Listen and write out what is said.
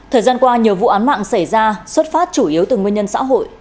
thời gian qua nhiều vụ án mạng xảy ra xuất phát chủ yếu từ nguyên nhân xã hội